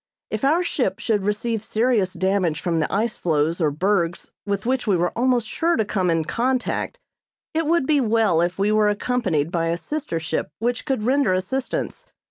If our ship should receive serious damage from the ice floes or bergs with which we were almost sure to come in contact, it would be well if we were accompanied by a sister ship which could render assistance.